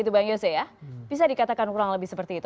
bisa dikatakan kurang lebih seperti itu